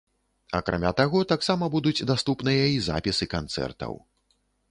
Акрамя таго, таксама будуць даступныя і запісы канцэртаў.